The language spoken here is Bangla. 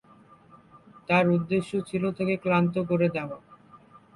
তার উদ্দেশ্য ছিল তাকে ক্লান্ত করে দেয়া।